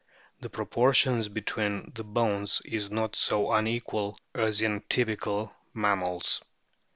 The proportions between the bones is not so unequal as in typical mammals.